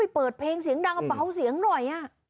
เปิดเพลงเสียงดังเบาเสียงหน่อย